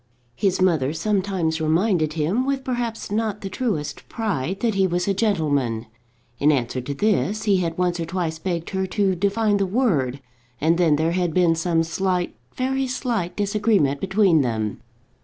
His mother sometimes reminded him, with perhaps not the truest pride, that he was a gentleman. In answer to this he had once or twice begged her to define the word, and then there had been some slight, very slight, disagreement between them.